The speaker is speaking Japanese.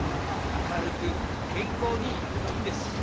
明るく健康にやればいいんです。